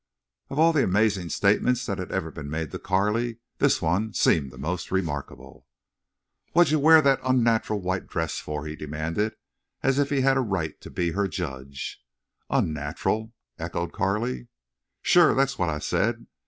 Of all the amazing statements that had ever been made to Carley, this one seemed the most remarkable. "What'd you wear thet onnatural white dress fer?" he demanded, as if he had a right to be her judge. "Unnatural?" echoed Carley. "Shore. Thet's what I said.